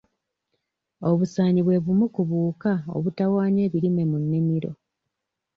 Obusaanyi bwe bumu ku buwuka obutawaanya ebirime mu nnimiro.